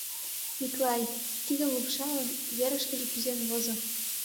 Миклай, кидым лупшалын, верышкыже кӱзен возо.